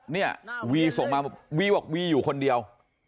เนี่ยวีบอกวีอยู่คนเดียว